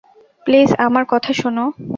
Please, আমার কথা শোনো।